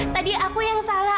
tadi aku yang salah